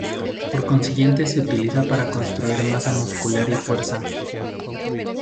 Por consiguiente se utiliza para construir masa muscular y fuerza.